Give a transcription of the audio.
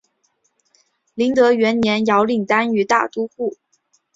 麟德元年遥领单于大都护。